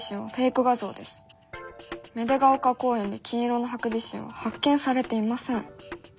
芽出ヶ丘公園で金色のハクビシンは発見されていません」。